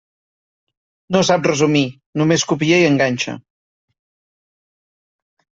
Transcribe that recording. No sap resumir, només copia i enganxa.